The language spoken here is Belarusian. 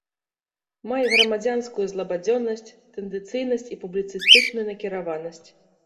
Мае грамадзянскую злабадзённасць, тэндэнцыйнасць і публіцыстычную накіраванасць.